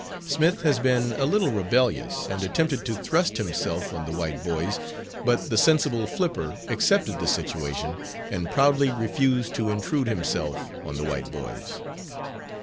Smith has been a little rebellious, and attempted to thrust himself on the white boys; but the sensible Flipper accepted the situation, and proudly refused to intrude himself on the white boys.